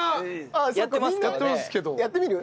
やってみる？